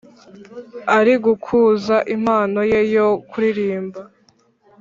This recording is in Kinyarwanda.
Ari gukuza Impano ye yo kuririmba,